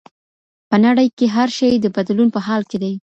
په نړۍ کي هر شی د بدلون په حال کي دی.